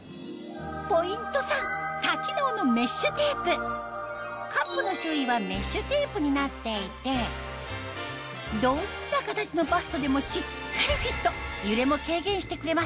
ポイント３多機能のメッシュテープになっていてどんな形のバストでもしっかりフィット揺れも軽減してくれます